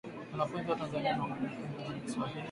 Wana funzi wa tanzania wanaongeaka kingereza na kishwahili